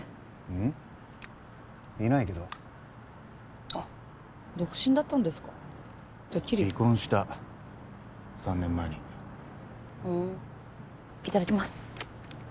うん？いないけどあっ独身だったんですかてっきり離婚した３年前にへえいただきます